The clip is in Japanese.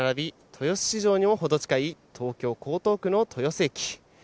豊洲市場にも程近い東京・江東区の豊洲駅。